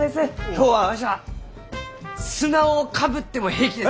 今日はわしは砂をかぶっても平気です。